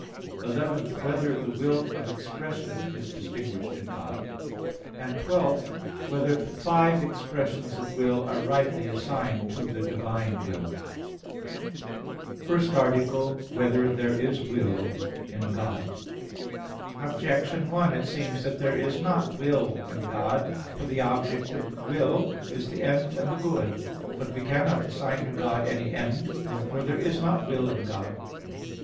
(11) Whether the will of expression is distinguished in God? (12) Whether five expressions of will are rightly assigned to the divine will? _______________________ FIRST ARTICLE [I, Q. 19, Art. 1] Whether There Is Will in God? Objection 1: It seems that there is not will in God. For the object of will is the end and the good. But we cannot assign to God any end. Therefore there is not will in God.